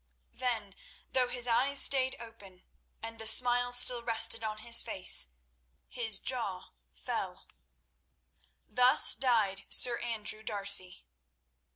Then though his eyes stayed open, and the smile still rested on his face, his jaw fell. Thus died Sir Andrew D'Arcy.